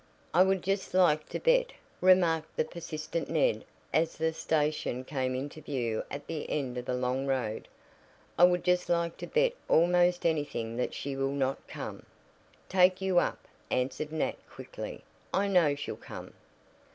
"I would just like to bet," remarked the persistent Ned as the station came into view at the end of the long road, "I would just like to bet almost anything that she will not come." "Take you up!" answered Nat quickly. "I know she'll come."